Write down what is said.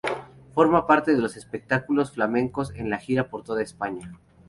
Forma parte de los espectáculos flamencos en gira por toda España.